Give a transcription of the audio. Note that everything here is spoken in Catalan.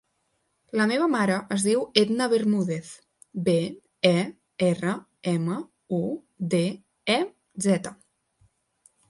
La meva mare es diu Edna Bermudez: be, e, erra, ema, u, de, e, zeta.